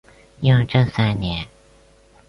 雍正三年。